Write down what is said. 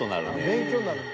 ［勉強になるね］